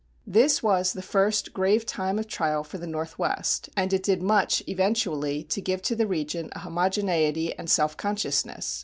This was the first grave time of trial for the Northwest, and it did much eventually to give to the region a homogeneity and self consciousness.